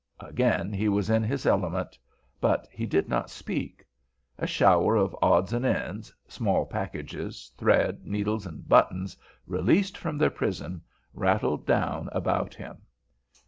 Again he was in his element. But he did not speak. A shower of odds and ends, small packages, thread, needles, and buttons, released from their prison, rattled down about him.